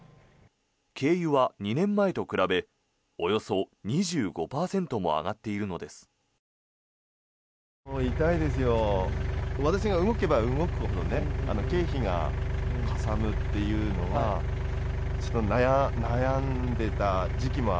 軽油は２年前と比べおよそ２５％も上がっているのです。